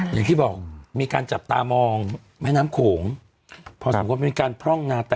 อย่างที่บอกมีการจับตามองแม่น้ำโขงพอสมมุติมีการพร่องนาแต่